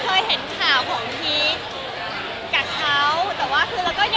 คือเหมือนพีชก็เคยเห็นข่าวของพีชกับเขา